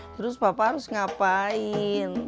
terus papa harus ngapain